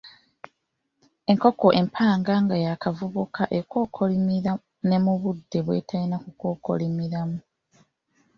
Enkoko empanga nga yaakavubuka ekookolimira n emubudde bw’etalina kukookolimiramu.